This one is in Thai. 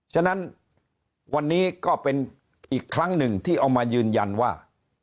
ฉะนั้นวันนี้ก็เป็นอีกครั้งหนึ่งที่เอามายืนยันว่า